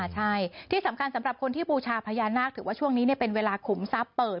ใช่ที่สำคัญสำหรับคนที่บูชาพญานาคถือว่าช่วงนี้เป็นเวลาขุมทรัพย์เปิด